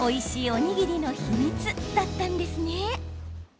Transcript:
おにぎりの秘密だったんですね。